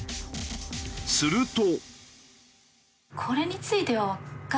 すると。